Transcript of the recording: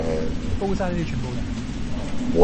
吿晒你哋全部人！